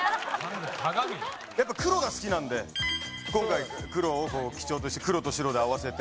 やっぱ黒が好きなんで今回黒を基調として黒と白で合わせて。